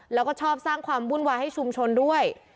แล้วก็ชอบสร้างความวุ่นวายให้ชุมชนด้วย